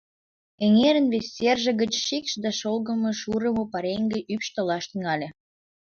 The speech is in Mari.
Эҥерын вес серже гыч шикш да шолгымыш урымо пареҥге ӱпш толаш тӱҥале.